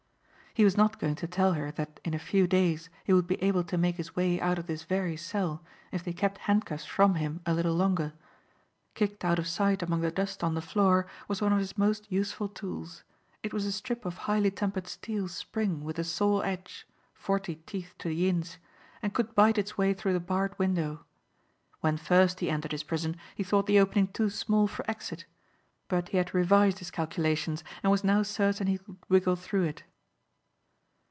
He was not going to tell her that in a few days he would be able to make his way out of this very cell if they kept handcuffs from him a little longer. Kicked out of sight among the dust on the floor was one of his most useful tools. It was a strip of highly tempered steel spring with a saw edge forty teeth to the inch and could bite its way through the barred window. When first he entered his prison he thought the opening too small for exit but he had revised his calculations and was now certain he could wriggle through it.